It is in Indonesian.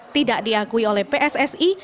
tidak diakui oleh pssi